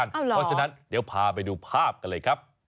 เอาจริงอ๋อเพราะฉะนั้นเดี๋ยวพาไปดูภาพกันเลย